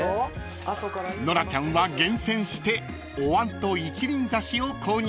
［ノラちゃんは厳選しておわんと一輪挿しを購入］